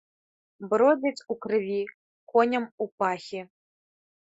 Бродзяць ў крыві коням ў пахі.